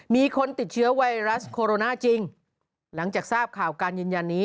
มีคนติดเชื้อไวรัสโคโรนาจริงหลังจากทราบข่าวการยืนยันนี้